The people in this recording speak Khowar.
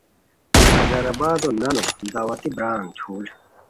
لنگر آبادو نانو دعوتی بران تھول